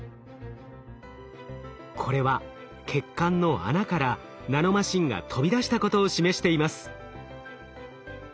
これは血管の穴からナノマシンが飛び出したことを示しています。